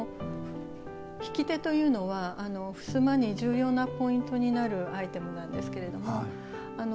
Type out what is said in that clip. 引き手というのは襖に重要なポイントになるアイテムなんですけれども。